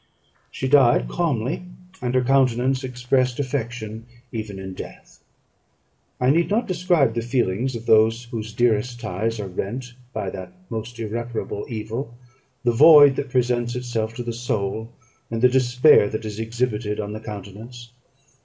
She died calmly; and her countenance expressed affection even in death. I need not describe the feelings of those whose dearest ties are rent by that most irreparable evil; the void that presents itself to the soul; and the despair that is exhibited on the countenance.